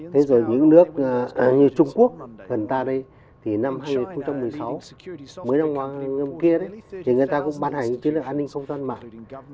thế rồi những nước như trung quốc gần ta đây thì năm hai nghìn một mươi sáu mới năm kia đấy thì người ta cũng ban hành những chiến lược an ninh không toàn mạng